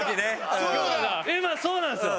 今そうなんですよ。